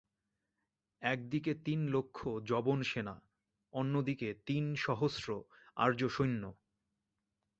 একদিকে তিনলক্ষ যবনসেনা, অন্যদিকে তিনসহস্র আর্যসৈন্য।